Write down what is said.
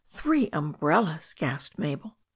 "Three umbrellas!" gasped Mabel.